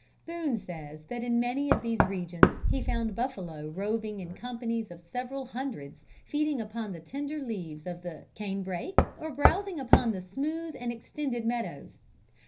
Boone says that in many of these regions he found buffalo roving in companies of several hundreds feeding upon the tender leaves of the canebrake, or browsing upon the smooth and extended meadows.